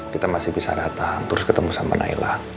kita masih bisa datang terus ketemu sama thailand